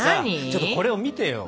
ちょっとこれを見てよ。